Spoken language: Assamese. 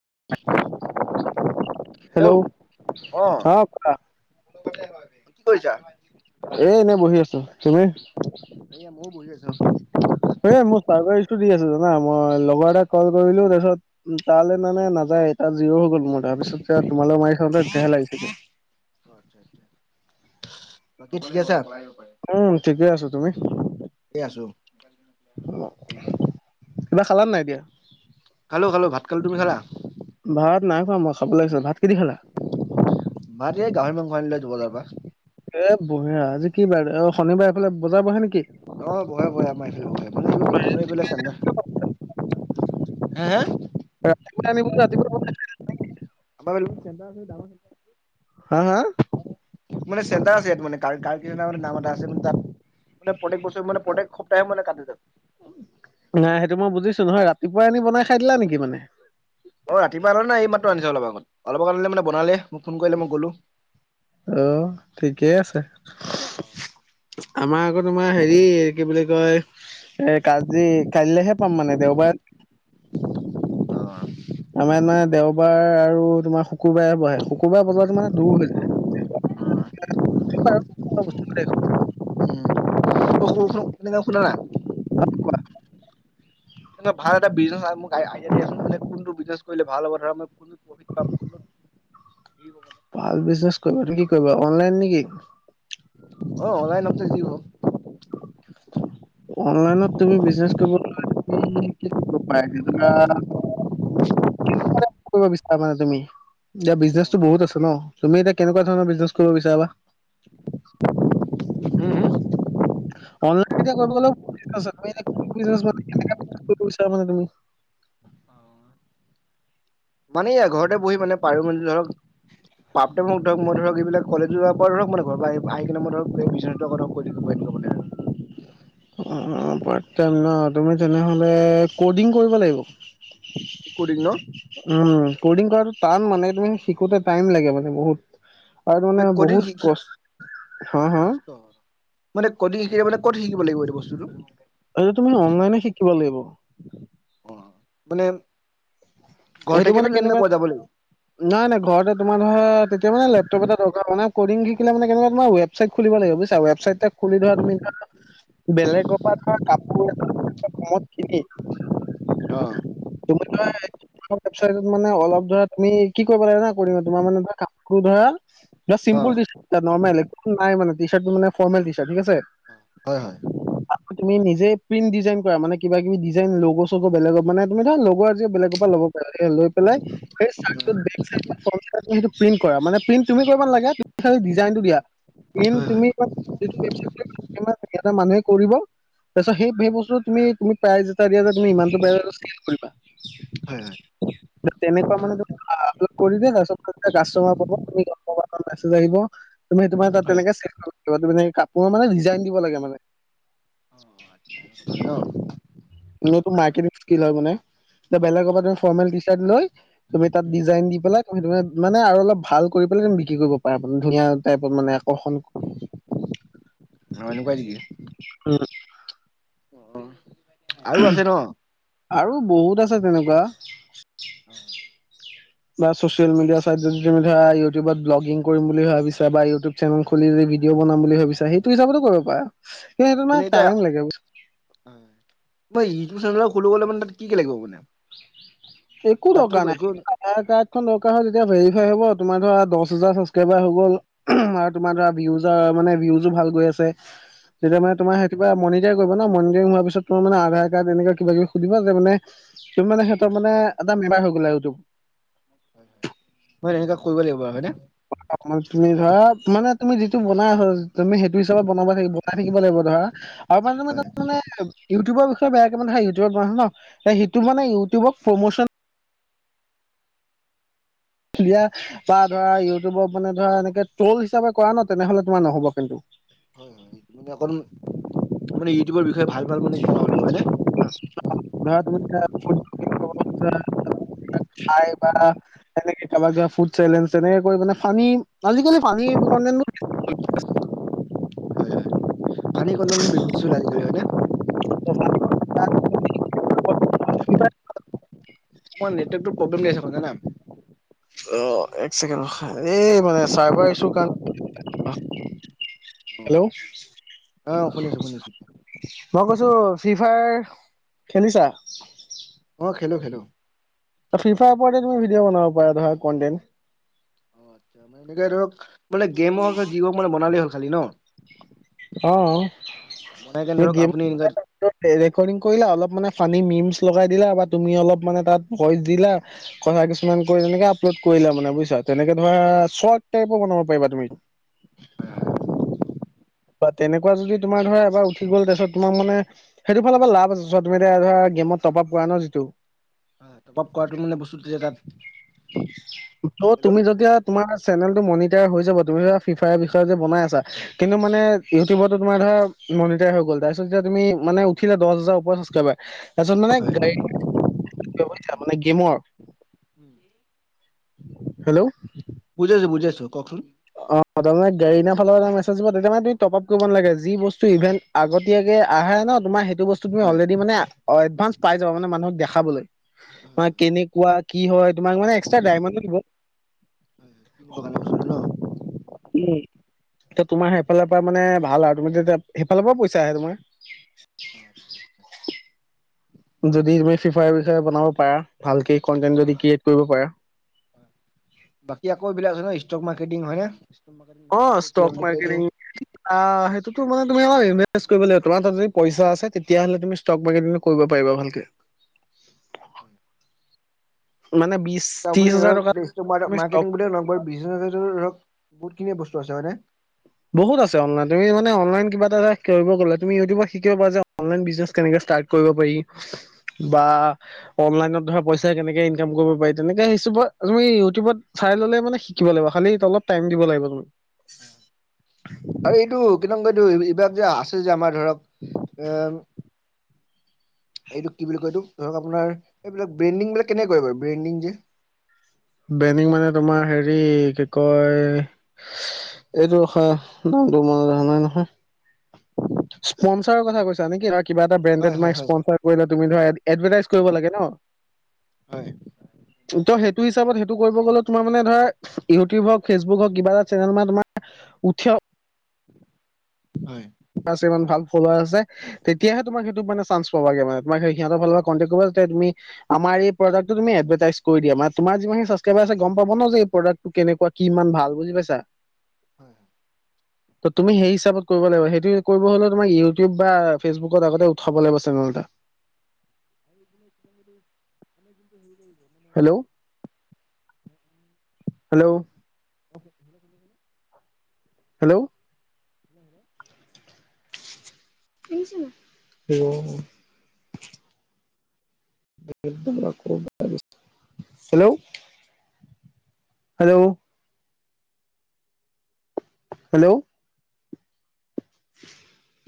হেল্ল' হেল্ল' ক অ কোৱা কি কৰিছা এ এনেই বহি আছো তুমি এয়া [unintelligible] সেই মোৰ চাৰ্ভাৰ ইচো দি আছে জানা মই লগৰ এটাক কল কৰিলো তাৰপিছত তালৈ মানে নাযায় জীঅ হৈ গ'ল মোৰ তাৰপিছত তোমালে মাৰি থাকোঁতে তেতিয়াহে লাগিছেগে আচ্ছা আচ্ছা, বাকী ঠিক আছা উম ঠিকে আছো তুমি ঠিকে আছো কিবা খালা নাই এতিয়া খালো খালো ভাত খালো তুমি খালা ভাত নাই খোৱা মই খাব লাগিছিল ভাত কি দি খালা দ বজাৰ পৰা এ বঢ়িয়া আজি কি বাৰ অ শনিবাৰ এইফালে বজাৰ বহে নেকি অ বহে বহে আমাৰ এইফালে বহে। হে হে ৰাতিপুৱা আনিব ৰাতিপুৱা আমা [unintelligible] হা হা। মানে চেন্তাৰ আছে ইয়াত মানে মানে নাম এটা আছে মানে তাত। মানে প্ৰতেক বছৰ মান প্ৰতেক সপ্তাহে কাটে মানে তাত নাই সেইটো মই বুজিছো নহয় ৰাতিপুৱাই আনি বনাই খাই দিলা নেকি মানে। অ ৰাতিপুৱা আনা নাই এইমাত্ৰ আনিচো অলপ আগত অলপ আগত আনিলে মানে বনালেই‌। আহ ঠিকেই আছে। আমাৰ আগত তোমাৰ হেৰি কি বুলি কয়। এ কাজি কাইলেহে পাম মানে দেওবাৰে। অ। আমাৰ ইয়াত মানে দেওবাৰ আৰু তোমাৰ শুকুৰবাৰে বহে শুকুৰবাৰে বজাতো মানে। দূৰ হৈ যায়। [unintelligible] শুনা না। অহ কোৱা। তেনেকুৱা ভাল এটা বিজনেছ মোক আইডিয়া দিয়াচোন কোনটো বিজনেছ কৰিলে ভাল হ'ব ধৰা মই কোনটো প্ৰফিট পাম কোনটোত। মানে ভাল বিজনেছ কৰিবা নে কি কৰিবা অনলাইন নেকি অ অনলাইন যিব। অনলাইনত তুমি বিজনেছ কৰিব ধ কৰিব বিচাৰা মানে তুমি। এতিয়া বিজনে টো বহুত আছে ন তুমি এতিয়া কেনেকুৱা ধৰণৰ বিজনেছ কৰিব বিচাৰা বা [unintelligible] উম, [unintelligible] কেনেকুৱা বিচৰা আক তুমি [unintelligible] মানে এয়া ঘৰতে বহি মানে পাৰো মান ধৰক পাপতে মোক ধৰক মই ধৰক এইবিলাক কলেজো যোৱাৰ পৰা ধৰ মান ঘৰ পৰা আহি কিনে মই ধৰকৈ থিব। [unintelligible] অ পট ট ন তুমি তেনেহ'লে ক'ডিং কৰিব লাগিব। কডিং ন উম। কড্ৰিং কৰাটো টান মানে তুমি শিকোতে টাইম লাগে মানে বহুত। আৰু মানে কদ্ৰিং বহুত শিকি কষ্ট হা হা মানে কডিং শিক মানে ক'ত শিকিব লাগিব এইটো বস্তুটো। এই তুমি অনলাইনে শিকিব লাগিব। মানে ঘৰ সেইটো মানে থাকিলে তেনা কেনেকুৱা পোৱা যাব লাগিব। নাই নাই ঘৰতে তোমাৰ ধৰা তেতিয়া মানে লেপটপ এটা দকাৰ শিকে ম ৱেবচাইট খুলিব লাগিব বুজিছা ৱেবাচাইড খুলি ধৰা তুমি বেলেগৰ পৰা কাপোৰ কত কিনি শুদ্ধ। ৱাইত মানে অলপ ধৰা তুমি কি কৰিব লাগে না কৰিম তোমাৰ মানে এ কাম ধৰা। অ অ চিম্পল নাইে টি চাৰ মে ফৰ্ম টি চাৰ ঠিক আছে। হয় হয় তুমি নিজেই প্ৰিণ্ ডিাইন কৰা মানে কিবা কিবি ডিজাইন লগ' চগ বেলেগ মানে তুমি ধৰা লগৰ আজি বেগত। লৈ পিলাই বেক চাইড টো তুমি পিন কৰিব নেলাগে। ডিজাইনটো দিয়া হয় হয় তুমি হয় এটা মানুহে কৰিব। তাৰপিছত সেই সেই বস্তুটো তুমি তুমি প্ৰায় যে দিয়া তুমি ইমান বে কৰিবা। হয় হয় হয় তেনেকুৱা মানে ধৰা তাৰ ম আহিব তুমি সেইটো ত। হয় সহ কাপোৰৰ মানে ডিজাইন দিব লাগে মানে অ আচ্ছা মাৰ্কেটিং স্কিল হয় মানে বেলেগৰ পৰা তুমি ফৰ্মেল টি চাৰ্ট লৈ তুমি তাত ন ডিজাইন দি পেলাই তুমি তুমি মানে আৰু অলপ ভাল কৰি বিক্ৰী কৰিব পাৰে মানে ধুনীয়া টাইপত মানে আকৰ্ষণ এনেকুৱা কি হয় আহ আৰু বহুত আছে তেনেকুৱা অ বা চ'চিয়েল মিডিয়া চাইদি তুমি ধৰা ইউটিউবত ব্লগিং কৰি বুলি ভাবিছা বা ইউটিউব চেনেল খুলি ভিডি' বনাম বুলি ভাবিছা সেইটো হিচাপতো কৰিব পাৰা কিন্ত হয় সেইটো মানে এতিয়া টাইম লাগে মই ইউটিউব চেনেল খুলিব গলে মানে তাত কি কি লাগিব মানে? একো তাততো দৰকাৰ নাই একো হয় আধাৰ কাৰ্ড খন দৰকাৰ হয় যেতিয়া ভেৰিফাই হ'ব। তোমাৰ ধৰা দহ হাজাৰ ছাবস্ক্ৰাইবাৰ হৈ গ'ল আৰু তোমাৰ ধৰা ভীউজাৰ মানে ভীউজো ভাল গৈ আছে তেতিয়া মান তোমাৰ সেইটো পা মনি ম কৰিব ন মন হোৱাৰ পিছত তাৰ মানে আধাৰ কাৰ্ড এনেকুৱা কিবা কিবি যে মে তুমি মানে হেতক মানে, সেনেকুৱা হৈ গ'ল আৰু যুগ হয় হয় তেনেকুৱা কৰিব লাগিব আৰু হয় ন তুমি ধৰা মানে তুমি যিটো বনাই হৈ তুমি সেইটো হিচাপত বনাব বনাই থাকিব লাগিব ধৰা আৰু মানে তাৰ মানে ইউটিউবৰ বিষয়ে বেয়াকৈ ইউটিউবত বনায় ন সেইটো মানে ইউটিউবক প্ৰমোচন খেলিলা বা ধৰা ইউটিউবক মানে ধৰা এনেকে মোৰ হিচাপে কৰা ন তেনেহলে তোমাৰ নহ'ব খেলটো। হয় হয় মানে অকন ইউটিউৰ বিষয়ে ভাল ভাল মানে বনাব হয় ধৰা তুমি ধৰা [unintelligible] খাই বা তেনেকে কিবা কিবা ফুড চেলেঞ্জ সেনেকে কৰি মানে ফানী আজিকালি ফানী [unintelligible] ফানী কনডেন্ট [unintelligible] হয়নে [unintelligible] তোমাৰ নেটৱৰ্ক টো অলপ প্ৰব্লেম দিছে জানা, অ একচেকেণ্ড ৰখা এই মানে চাইবাৰ ইছু কাৰণে হেল্ল' আহ শুনিছো শুনিছো মই কৈছো ফ্ৰী ফায়াৰ খেলিছা? অ খেলো খেলো ফ্ৰি ফায়াৰ ওপৰতে তুমি ভিডিঅ' বনাব পাৰা ধৰা কনডেণ্ট অ আচ্ছা এনেকে ধৰক মানে গেমৰ যিবোৰ মানে বনালেই হ'ল খালি ন অহ বনাই কেনে আমি ধৰক আপুনি এনেকা গেমৰ ৰেকৰ্ডিং কৰিলা অলপ মানে ফানি মিমচ লগাই দিলা বা তুমি অলপ মানে তাত ভইচ দিলা কথা কিছুমান কৈ তেনেকে আপলোড কৰিলা মানে বুজিছা তেনেকে ধৰা চত টাইপৰ বনাব পাৰিবা তুমি বা তেনেকুৱা যদি তোমাৰ ধৰা এবাৰ উঠি গ'ল তাৰপিছত তোমাৰ মানে সেইটো ফালৰ পৰা লাভ আছে তুমি এতিয়া ধৰা গেমত টপ আপ পোৱা ন যিটো অ টপ আপ কৰাটো মানে বস্তুটো যে তাত ত তুমি হেল্ল' যেতিয়া তোমাৰ চেনেলটো মনিটাৰ হৈ যাব তুমি ফি ফায়াৰ বিষয়ে যে বনাই আছা কিন্তু মানে ইউটিউবত তোমাৰ ধৰা মনিটাৰ হৈ গল তাৰ পিছত তুমি মানে উঠিলা দহ হাজাৰ ওপৰত ছাবচক্ৰাইবাৰ তাৰ পিছত মানে হয়। গাড়ী ব্যৱস্থা মানে গেমৰ হেল্ল বুজি আছো বুজি আছো কওকচোন তাৰমানে গাড়ী নিয়া ফালৰ এটা মেচেজ দিব তেতিয়া মানে টপ আপ কৰিব নালাগে যি বস্তু ইভেন আগতীয়াকে আহে ন তোমাৰ সেই যিটো বস্তু তুমি হয়। অলৰেডি মানে এডভান্স পাই যাবা মানে মানুহক দেখাবলৈ হয় মানে হয় কেনেকুৱা কি হয় তোমাক মানে এক্সট্ৰা ডায়মণ্ডো দিব। [unintelligible] উম। এতো তোমাৰ সেইফালৰ পৰা মানে ভাল আৰু তুমি তেতিয়া সেইফালৰ পৰা পইচা আহে তোমাৰ। অ আচ্ছা [unintelligible] যদি তুমি ফ্ৰিফায়াৰ বিষয়ে বনাব পাৰা ভালকে কনটেন যদি ক্ৰিয়েট কৰিব পাৰা। [unintelligible] বাকী আকৌ এইবিলাক আছে ন ষ্টক মাৰ্কেটিং হয় নে? অ ষ্টক মাৰ্কেটিং অহ সেইটোতো সিমান তুমি অলপ ইনভেষ্ট কৰিব লাগিব তোমাৰ তাত যদি পইচা আছে তেতিয়াহ'লে তুমি ষ্টক মাৰকেটিং কৰিব পাৰিবা ভালকে। [unintelligible] উম। মানে বিশ ত্ৰিশ আপুনি হাজাৰ ধৰক টকা ষ্টক তুমি মাৰ্ক ষ্টক মাৰ্কেটিং বিছহাজাৰকে ধৰক বহুতখিন বস্ত হয়নে? বহুত আছে অনলাইন তুমি মানে অনলাইন কিবা এটা কৰিব গ'লে তুমি ইউটিউবত শিকিব পাৰা যে অনলাইন বিজনেচ কেনেকে ষ্টাৰ্ট কৰিব পাৰি বা অনলাইনত ধৰা পইচা কেনেকে ইনকাম কৰিব পাৰি তেনেকে তুমি ইউটিউবত চাই ললে মানে শিকিব লাগিব খালি অলপ টাইম দিব লাগিব তুমি। আৰু এইটো কি নাম কই এইটো এইবিলাক যে আছে যে আমাৰ ধৰক এ এইটোক কি বুলি কয় এইটো ধৰক আপোনাৰ এইবিলাক ব্ৰেণ্ডিং বিলাক কেনেক কৰে বাৰু ব্ৰেণ্ডিং যে। ব্ৰেণ্ডিং মানে তোমাৰ হেৰি কি কয় এইটো হ ন নহয় স্পনচাৰৰ কথা কৈছা নেকি? কিবা এটা ব্ৰেণ্ডে হয় হয় তোমাৰ হয় স্পনছৰ কৰিলে তুমি ধৰা এডভেটাইজ কৰিব লাগে ন‌? হয় তোক ত সেইটো টো হিচাপত সেইটো কৰিব গ'লে তোমাৰ মানে ধৰা ইউটিউব হওক ফেচবুক হওক কিবা এটা চেনেল মানে তোমাৰ উঠে অ হয়। আছে ইমান ভাল ফলোৱাৰ আছে তেতিয়াহে তোমাক সেইটো মানে চান্স পাবাগে মানে তোমাক সিহঁতৰ ফালৰপৰা কনটেক্ট কৰিব। তেতিয়া তুমি আমাৰ এই প্ৰদাক্ট টো তুমি এদভেটাইছ কৰি দিয়া, মানে তোমাৰ যিমান খিনি চাবস্ক্ৰাইবাৰ আছে গম পাব ন যে এই প্ৰদাক্টটো কিনি কেনেকুৱা কি ইমান ভাল বুজি পাইছা। হয় হয়। ত তুমি সেই হিচাপত কৰিব লাগিব সেই কৰিব হলে তোমাৰ ইউটিউব বা ফেচবুকত আগতে উঠাব লাগিব চেনেল এটা। [unintelligible] Hello hello. হেল্ল'। হেল্ল। অ। হেল্ল'। হেল্ল'। হেল্ল'। [inaudible]